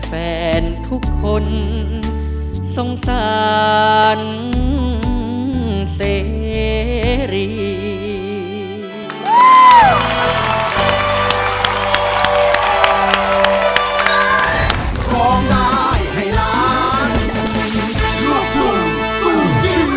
แฟนทุกคนสงสารเสรียง